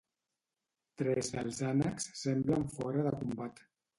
Tres dels ànecs semblen fora de combat.